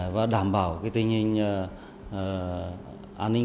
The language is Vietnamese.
và đảm bảo tự nhiên